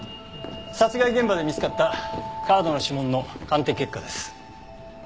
殺害現場で見つかったカードの指紋の鑑定結果です。